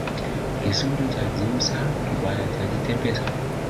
Kizuri chajiuza kibaya chajitembeza